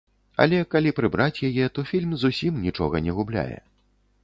Але калі прыбраць яе, то фільм зусім нічога не губляе.